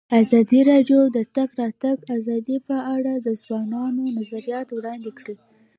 ازادي راډیو د د تګ راتګ ازادي په اړه د ځوانانو نظریات وړاندې کړي.